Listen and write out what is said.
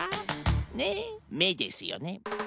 ねっめですよね。